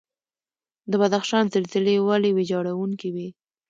د بدخشان زلزلې ولې ویجاړونکې وي؟